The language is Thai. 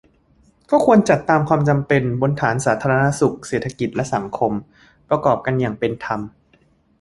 ก็ควรจัดตามความจำเป็น บนฐานสาธารณสุข เศรษฐกิจ และสังคม ประกอบกันอย่างเป็นธรรม